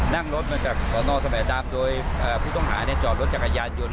นั่งรถมาจากสนสมดำโดยผู้ต้องหาจอดรถจักรยานยนต